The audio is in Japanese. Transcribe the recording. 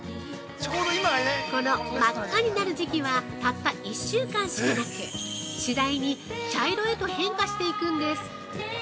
この真っ赤になる時期はたった１週間しかなく次第に茶色へと変化してくんです。